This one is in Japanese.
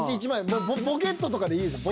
もうポケットとかでいいですよ。